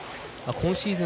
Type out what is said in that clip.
今シーズン